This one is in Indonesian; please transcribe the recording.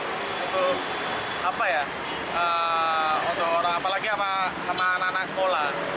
itu apa ya apalagi sama anak anak sekolah